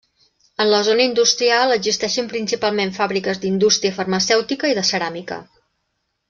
En la zona industrial existeixen principalment fàbriques d'indústria farmacèutica i de ceràmica.